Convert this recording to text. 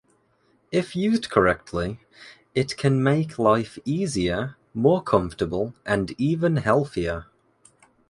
If used correctly, it can make life easier, more comfortable, and even healthier